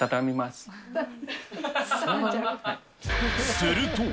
すると。